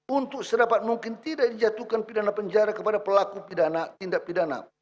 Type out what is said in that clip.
untuk sedapat mungkin tidak dijatuhkan pidana penjara kepada pelaku tindak pidana